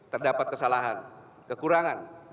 terdapat kesalahan kekurangan